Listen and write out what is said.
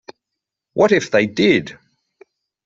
What if they did!